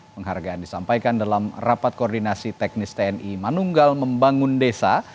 penghargaan disampaikan dalam rapat koordinasi teknis tni manunggal membangun desa